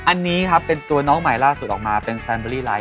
อันนี้ครับเป็นตัวน้องใหม่ล่าสุดออกมาเป็นแซนเบอรี่ไลท